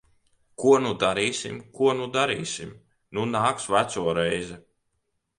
Ko nu darīsim? Ko nu darīsim? Nu nāks veco reize.